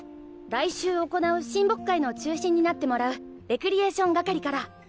来週行う親睦会の中心になってもらうレクリエーション係から。